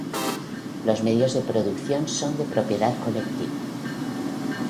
Los medios de producción son de propiedad colectiva.